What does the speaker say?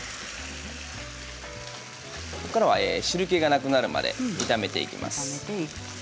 ここからは汁けがなくなるまで炒めていきます。